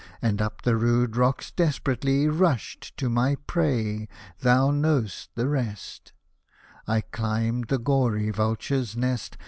And up the rude rocks desperately Rushed to my prey — thou know'st the rest — I cUmbed the gory vulture's nest.